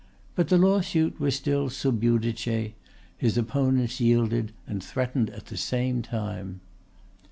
But the lawsuit was still sub judice; his opponents yielded and threatened at the same time.